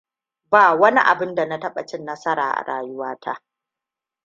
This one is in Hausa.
Ba wani abin da na taɓa cin nasara a rayuwata.